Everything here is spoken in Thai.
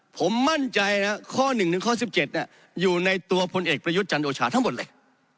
ผมมั่นใจนะข้อ๑ข้อ๑๗อยู่ในตัวพลเอกประยุทธ์จันโอชาทั้งหมดเลย